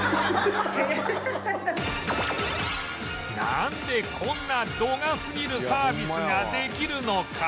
なんでこんな度が過ぎるサービスができるのか？